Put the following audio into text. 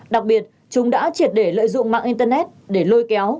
đặc biệt chúng đã triệt để lợi dụng mạng internet để lôi kéo